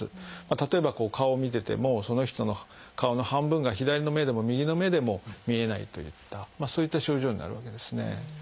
例えば顔を見ててもその人の顔の半分が左の目でも右の目でも見えないといったそういった症状になるわけですね。